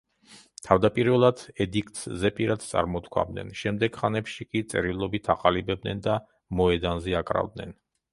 თავდაპირველად ედიქტს ზეპირად წარმოთქვამდნენ, შემდეგ ხანებში კი წერილობით აყალიბებდნენ და მოედანზე აკრავდნენ.